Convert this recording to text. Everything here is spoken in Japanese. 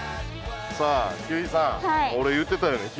さあ休井さん俺言ってたよね